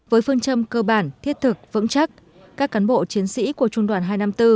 với phương châm cơ bản thiết thực vững chắc các cán bộ chiến sĩ của trung đoàn hai trăm năm mươi bốn